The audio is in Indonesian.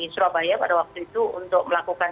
surabaya pada waktu itu untuk melakukan